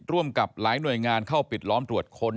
ร่วมกับหลายหน่วยงานเข้าปิดล้อมตรวจค้น